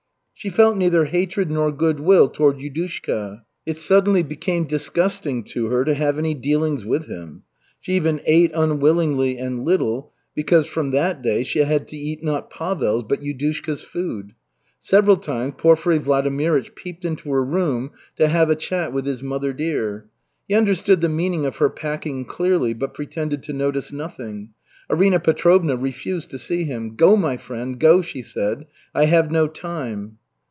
She felt neither hatred nor goodwill toward Yudushka. It suddenly became disgusting to her to have any dealings with him. She even ate unwillingly and little, because from that day she had to eat not Pavel's but Yudushka's food. Several times Porfiry Vladimirych peeped into her room to have a chat with his "mother dear." He understood the meaning of her packing clearly, but pretended to notice nothing. Arina Petrovna refused to see him. "Go, my friend, go," she said. "I have no time."